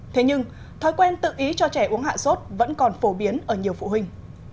thế nhưng thói quen tự ý cho trẻ uống hạ sốt vẫn còn phổ biến ở nhiều phụ huynh